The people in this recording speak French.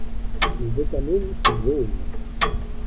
Les étamines sont jaunes.